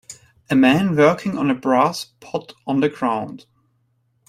A man working on a brass pot on the ground